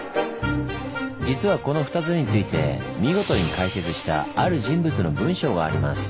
実はこの２つについて見事に解説したある人物の文章があります。